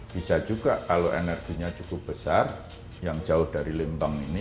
bisa juga kalau energinya cukup besar yang jauh dari lembang ini